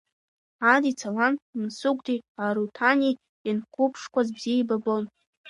Адица лан Мсыгәдеи Аруҭани ианқәыԥшқәаз бзиа еибабон.